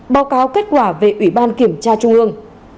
báo cáo kết quả về ủy ban kiểm tra trung ương